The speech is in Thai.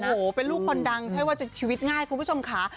โอ้โหเป็นลูกคนดังใช่ว่าจะชีวิตง่ายคุณผู้ชมค่ะ